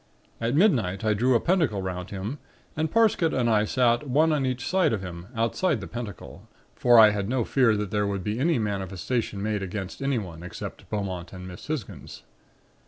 At midnight I drew a pentacle 'round him and Parsket and I sat one on each side of him, outside the pentacle, for I had no fear that there would be any manifestation made against anyone except Beaumont or Miss Hisgins.